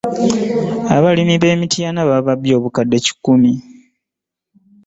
Abalimi be Mityana bababbye obukadde kikumi.